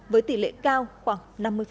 với tỷ lệ cao khoảng năm mươi